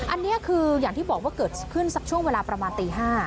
อันนี้คืออย่างที่บอกว่าเกิดขึ้นสักช่วงเวลาประมาณตี๕